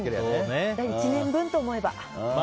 １年分って思えば。